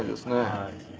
はい。